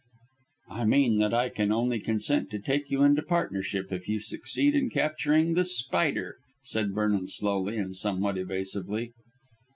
"I mean that I can only consent to take you into partnership if you succeed in capturing The Spider," said Vernon slowly and somewhat evasively.